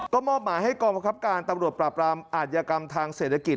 ก็มอบหมายให้กองประคับการตำรวจปราบรามอาธิกรรมทางเศรษฐกิจ